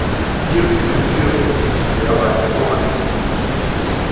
Hier sind wir noch nicht sehr weit vorangekommen.